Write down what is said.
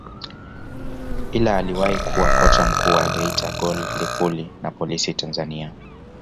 ila aliwahi kuwa kocha mkuu wa Geita Gold Lipuli na Polisi Tanzania